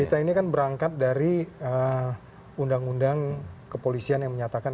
kita ini kan berangkat dari undang undang kepolisian yang menyatakan